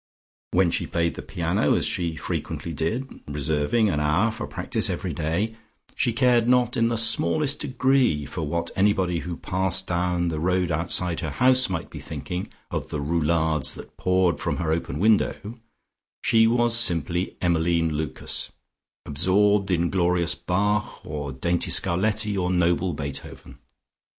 When she played the piano as she frequently did, (reserving an hour for practice every day), she cared not in the smallest degree for what anybody who passed down the road outside her house might be thinking of the roulades that poured from her open window: she was simply Emmeline Lucas, absorbed in glorious Bach or dainty Scarletti, or noble Beethoven.